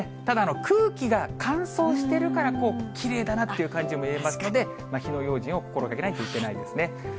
ただ、空気が乾燥してるから、きれいだなっていう感じも言えますので、火の用心を心がけないといけないですね。